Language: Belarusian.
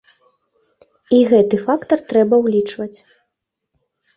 І гэты фактар трэба ўлічваць.